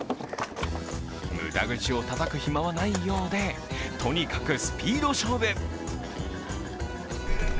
無駄口をたたく暇はないようで、とにかくスピード勝負。